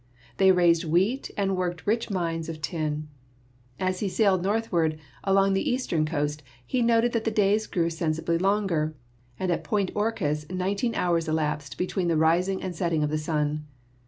They raised wheat and worked rich mines of tin. As he sailed northward, along the east ern coast, he noticed that the days grew sensibly longer, and at Point Orcas nineteen hours elapsed between the rising and the setting of the sun.